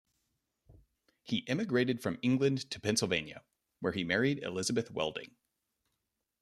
He emigrated from England to Pennsylvania, where he married Elizabeth Welding.